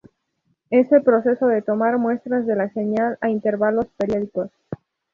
Es el proceso de tomar muestras de la señal a intervalos periódicos.